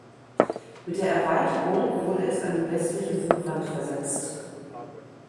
Mit der Erweiterung wurde es an die westliche Südwand versetzt.